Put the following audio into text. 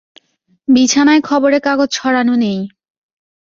বিছানায় খবরের কাগজ ছড়ানো নেই।